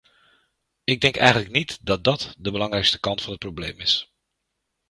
Ik denk eigenlijk niet dat dat de belangrijkste kant van het probleem is.